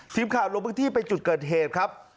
ทีมข่าวลงพื้นที่ไปจุดเกิดเหตุครับ